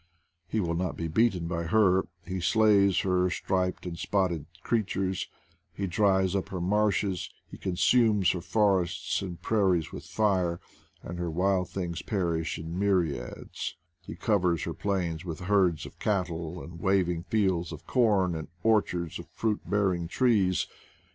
He will not be beaten by her, he slays her striped and spotted creatures; he dries up her marshes; he consumes her forests and prairies with fire, and her wild things perish in myriads ; he covers her plains with herds of cattle, and waving fields of corn, and orchards of fruit bearing trees.